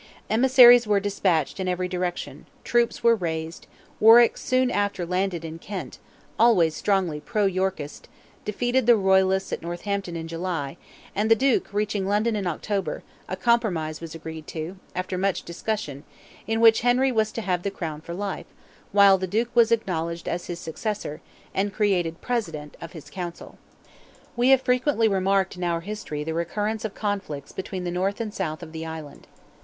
Emissaries were despatched in every direction; troops were raised; Warwick soon after landed in Kent always strongly pro Yorkist defeated the royalists at Northampton in July, and the Duke reaching London in October, a compromise was agreed to, after much discussion, in which Henry was to have the crown for life, while the Duke was acknowledged as his successor, and created president of his council. We have frequently remarked in our history the recurrence of conflicts between the north and south of the island.